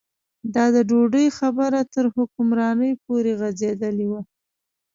دا د ډوډۍ خبره تر حکمرانۍ پورې غځېدلې وه.